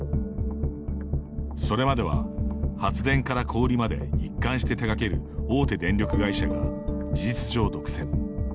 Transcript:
それまでは発電から小売りまでを一貫して手がける大手電力会社が事実上独占。